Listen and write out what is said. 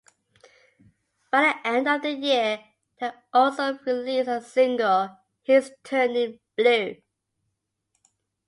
By the end of the year they also released a single, "He's Turning Blue".